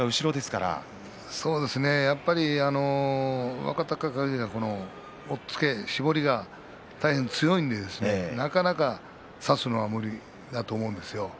若隆景、押っつけ、絞りが大変強いんで、なかなか差すのは無理だと思うんですよ。